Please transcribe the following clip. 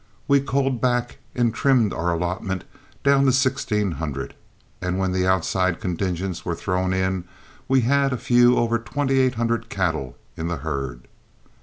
We culled back and trimmed our allotment down to sixteen hundred, and when the outside contingents were thrown in we had a few over twenty eight hundred cattle in the herd.